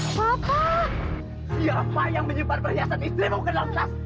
siapa yang menyebar perhiasan istrimu ke dalam kelas